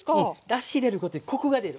だし入れることでコクが出る。